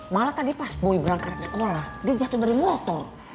malah tadi pas boy berangkat sekolah dia jatuh dari motor